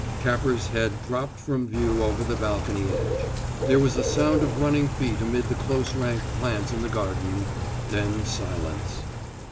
Capper's head dropped from view over the balcony edge; there was a sound of running feet amid the close ranked plants in the garden, then silence.